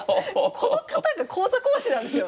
この方が講座講師なんですよ！